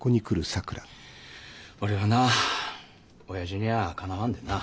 俺はなおやじにはかなわんでな。